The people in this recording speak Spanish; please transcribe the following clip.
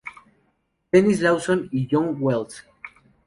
Denis Lawson y John Wells.